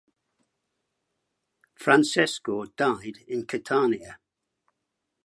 Francesco died in Catania.